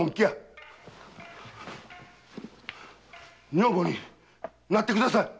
女房になってください！